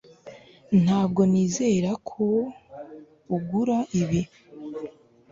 ntabwo nizera ko ugura ibi